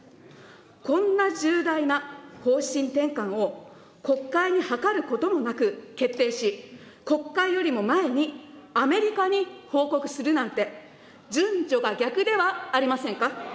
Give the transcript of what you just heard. こんな重大な方針転換を、国会に諮ることもなく、決定し、国会よりも前に、アメリカに報告するなんて、順序が逆ではありませんか。